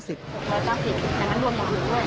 ๖๙๐บาทแต่มันรวมอย่างอื่นด้วย